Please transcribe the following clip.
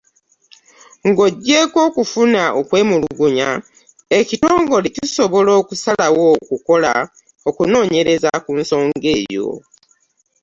Nga ojjeeko okufuna okwemulugunya, ekitongole kisobola okusalawo okukola okunoonyereza ku nsonga eyo.